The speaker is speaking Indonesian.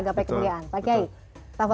gapai kemuliaan pak kai